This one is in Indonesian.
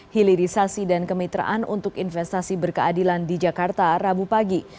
hilirisasi dan kemitraan untuk investasi berkeadilan di jakarta rabu pagi